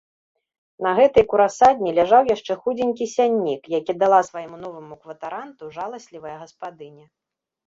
На гэтай курасадні ляжаў яшчэ худзенькі сяннік, які дала свайму новаму кватаранту жаласлівая гаспадыня.